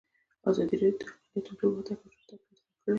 ازادي راډیو د اقلیتونه پرمختګ او شاتګ پرتله کړی.